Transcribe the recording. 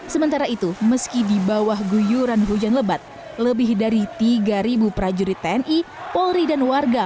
sementara itu meski di bawah guyuran hujan lebat lebih dari tiga prajurit tni polri dan warga